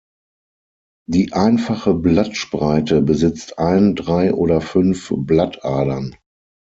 Die einfache Blattspreite besitzt ein, drei oder fünf Blattadern.